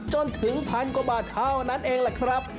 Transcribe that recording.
จนถึงพันกว่าบาทเท่านั้นเองแหละครับ